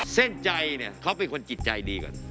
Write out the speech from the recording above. เส้นใจเนี่ยเขาเป็นคนจิตใจดีก่อน